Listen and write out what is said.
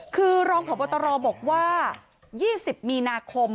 คือรองผัวบัตรรอบอกว่า๒๐มีนาคม